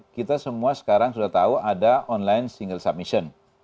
kita semua sekarang sudah tahu ada online single submission